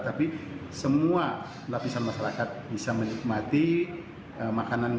tapi semua lapisan masyarakat bisa menikmati makanan